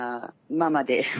ママで。